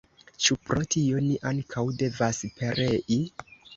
Ĉu pro tio ni ankaŭ devas perei?